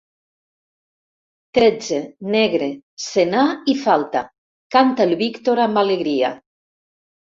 Tretze, negre, senar i falta —canta el Víctor amb alegria.